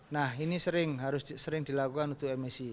nah ini sering harus sering dilakukan untuk emisi